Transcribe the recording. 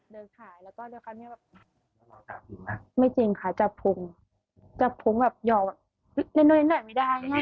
เดินขายแล้วก็เรียกว่าเนี่ยแบบไม่จริงค่ะจับพุงจับพุงแบบหย่อว่าเล่นด้วยนิดหน่อยไม่ได้เนี่ย